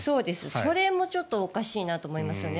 それもおかしいなと思いますね。